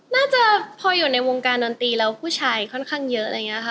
น่าจะพออยู่ในวงการดนตรีแล้วผู้ชายค่อนข้างเยอะ